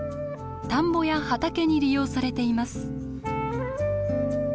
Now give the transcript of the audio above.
田んぼや畑に利用されています。